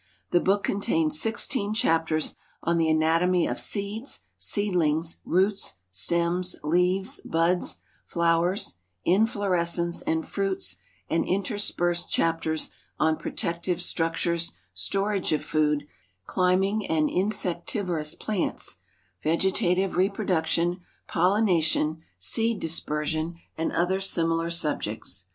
The book contains Ki chapters on the anatomy of seeds, seedlings, roots, stems, leaves, buds, flowers, inflorescence, and fruits, and interspersed chaitters on protective structures, storage of food, climbinj; and insectivorous plants, vegetative rei>rodaction, pollination, seed dispersion, and other similar subjects.